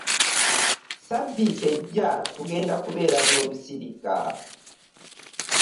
Ssabbiiti ejja tugenda kubeera n'olusirika.